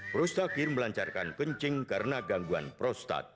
prostakir melancarkan kencing karena gangguan prostat